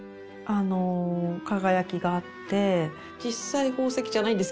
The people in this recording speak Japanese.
輝きがあって実際宝石じゃないんですけどね。